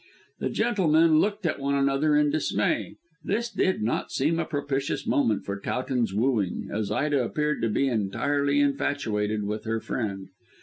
The gentlemen looked at one another in dismay; this did not seem a propitious moment for Towton's wooing, as Ida appeared to be entirely infatuated with her friend.